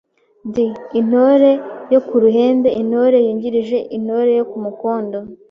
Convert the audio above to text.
d. Intore yo ku ruhembe: Intore yungirije Intore yo ku mukondo.